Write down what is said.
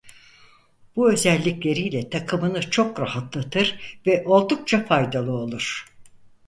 Bu özellikleriyle takımını çok rahatlatır ve oldukça faydalı olur.